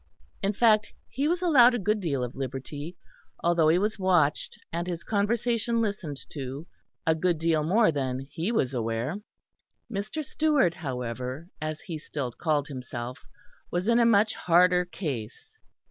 In fact, he was allowed a good deal of liberty; although he was watched and his conversation listened to, a good deal more than he was aware. Mr. Stewart, however, as he still called himself, was in a much harder case.